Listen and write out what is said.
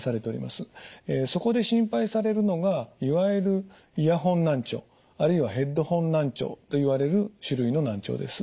そこで心配されるのがいわゆるイヤホン難聴あるいはヘッドホン難聴といわれる種類の難聴です。